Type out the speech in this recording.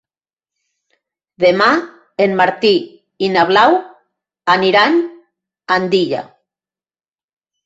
Demà en Martí i na Blau aniran a Andilla.